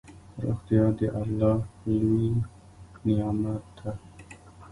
روغتيا دالله لوي نعمت ده